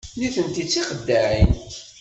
Nitenti d tixeddaɛin.